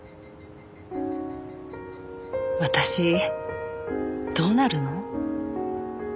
私どうなるの？